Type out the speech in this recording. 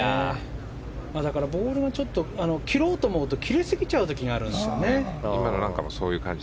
ボールが切ろうと思うと切れすぎちゃう時があるんですよね。